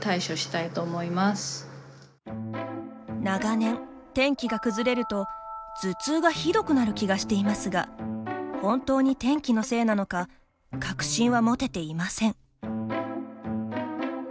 長年天気が崩れると、頭痛がひどくなる気がしていますが本当に天気のせいなのか確信は持てていません。